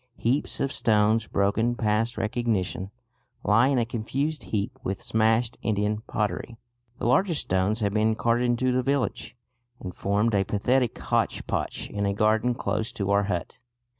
Heaps of stones, broken past recognition, lie in a confused heap with smashed Indian pottery. The largest stones have been carted into the village, and formed a pathetic hotchpotch in a garden close to our hut.